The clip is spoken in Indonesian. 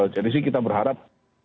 jadi sih kita berharap